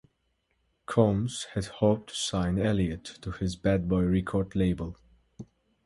Combs had hoped to sign Elliott to his Bad Boy record label.